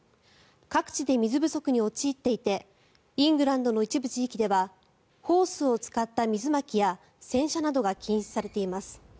各地で水不足に陥っていてイングランドの一部地域ではホースを使った水まきや洗車などが禁止されています。